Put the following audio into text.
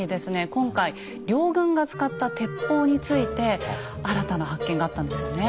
今回両軍が使った鉄砲について新たな発見があったんですよね。